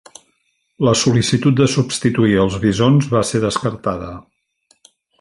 La sol·licitud de substituir els bisons va ser descartada.